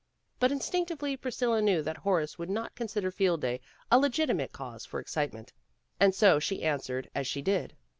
But instinctively Priscilla knew that Horace would not consider Field Day a legitimate cause for excitement, and so she answered as she did.